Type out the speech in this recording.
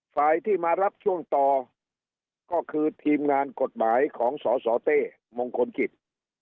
ฝ่ายที่มารับช่วงต่อก็คือทีมงานกฎหมายของสสเต้มงคลกิจ